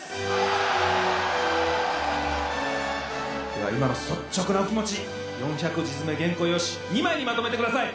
では今の率直なお気持ち４００字詰め原稿用紙２枚にまとめてください！